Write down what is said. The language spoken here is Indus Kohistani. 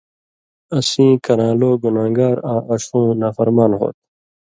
اسیں کران٘لو گنان٘گار آں اݜُوں (نافرمان) ہو تُھو۔